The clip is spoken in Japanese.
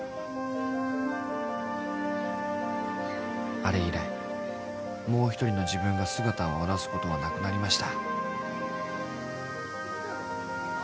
［あれ以来もう一人の自分が姿を現すことはなくなりました］